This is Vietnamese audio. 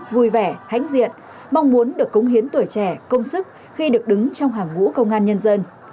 vui vẻ hãnh diện mong muốn được cống hiến tuổi trẻ công sức khi được đứng trong hàng ngũ công an nhân dân